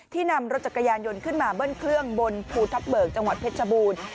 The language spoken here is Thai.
นำรถจักรยานยนต์ขึ้นมาเบิ้ลเครื่องบนภูทับเบิกจังหวัดเพชรบูรณ์